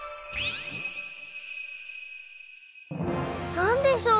なんでしょう？